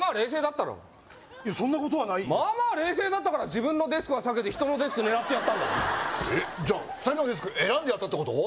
たろお前いやそんなことはないまあまあ冷静だったから自分のデスクは避けて人のデスク狙ってやったんだろえっじゃあ２人のデスク選んでやったってこと？